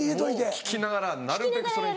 聞きながらなるべくそれに。